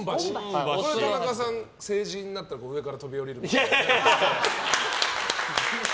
田中さん、成人になったら上から飛び降りるんですよね。